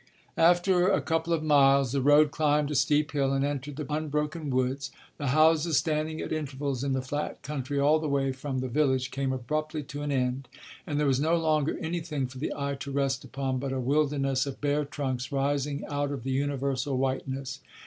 After a couple of miles the road climbed a steep hill and entered the unbroken woods. The houses standing at intervals in the flat country all the way from the village came abruptly to an end, and there was no longer anything for the eye to rest upon but a wilderness of bare trunks rising out of the universal whiteness.